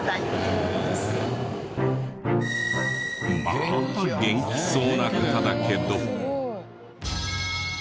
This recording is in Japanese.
まあ元気そうな方だけど。